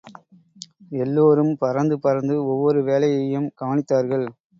எல்லாரும் பறந்து பறந்து ஒவ்வொரு வேலையையும் கவனித்தார்கள்.